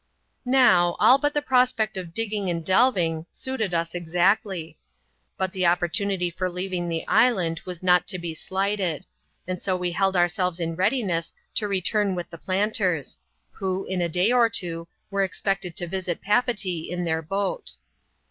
Now, all but the prospect of digging and delving, suited us exactly ; but the opportunity for leaving the island was not to be slighted ; and so we held ourselves in readiness to return with the planters ; who, in a day or two, were expected to visit Papeetee in their boat.